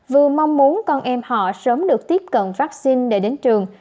vừa mong muốn con em họ sớm được tiếp cận vaccine để đến trường